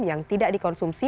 yang tidak dikonsumsi